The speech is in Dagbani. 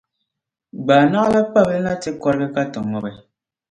gbaai naɣila’ kpabili na ti kɔrigi ka ti ŋubi.